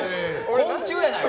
昆虫やないか！